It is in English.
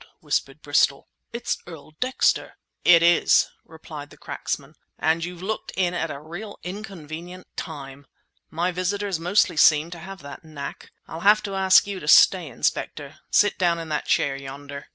whispered Bristol. "It's Earl Dexter!" "It is!" replied the cracksman, "and you've looked in at a real inconvenient time! My visitors mostly seem to have that knack. I'll have to ask you to stay, Inspector. Sit down in that chair yonder."